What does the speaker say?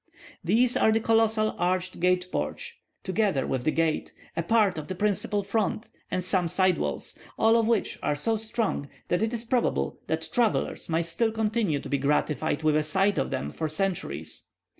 These are the colossal arched gate porch, together with the gate, a part of the principal front, and some side walls, all of which are so strong that it is probable that travellers may still continue to be gratified with a sight of them for centuries.